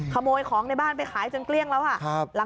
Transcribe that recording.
ขโมยของในบ้านไปขายจนเกลี้ยงแล้วค่ะ